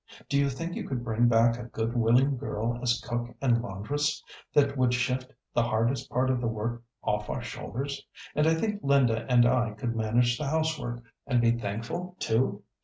Do you think you could bring back a good, willing girl as cook and laundress—that would shift the hardest part of the work off our shoulders—and I think Linda and I could manage the house work, and be thankful too?